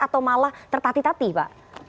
atau malah tertatih tatih pak